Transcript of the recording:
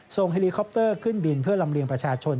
เฮลิคอปเตอร์ขึ้นบินเพื่อลำเลียงประชาชน